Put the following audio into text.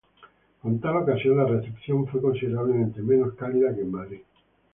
Con tal ocasión, la recepción fue considerablemente menos cálida que en Madrid.